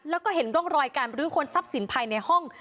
แล้วก็เห็นร่องรอยการบรื้อคนทรัพย์สินภายในห้อง